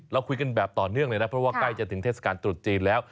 เราคุยกันแบบต่อเนื่องเลยนะเพราะว่าใกล้จะถึงเทศกาลตรุษจีนแล้ว